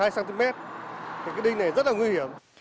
cái đinh này rất là nguy hiểm